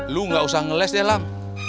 lu nggak usah ngeles deh lam